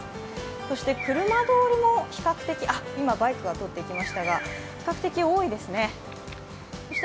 そして車通りもバイクが通っていきましたが比較的、多いですね。